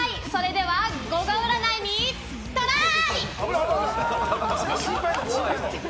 それでは、ゴゴ占いにトライ！